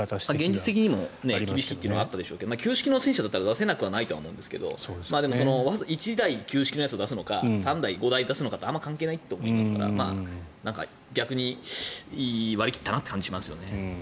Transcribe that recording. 現実的にも厳しいというのがあったでしょうけど旧式の戦車なら出せなくはないと思いますが１台旧式のやつを出すのか３台、５台出すのかあまり関係ないと思いますから逆に割り切ったなという感じがしますよね。